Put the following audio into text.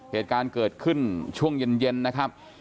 เหตุการณ์เกิดขึ้นช่วงเย็นนะครับ